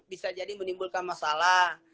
bisa jadi menimbulkan masalah